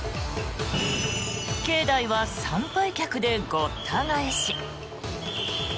境内は参拝客でごった返し。